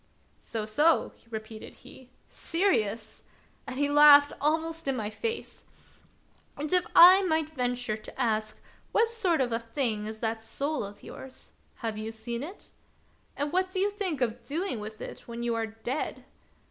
" So, so," repeated he, " serious !" and he laughed almost in my face. " And if I might venture to ask, what sort of a thing is that soul of yours? Have you ever seen it? And what do you think of doing with it when you are dead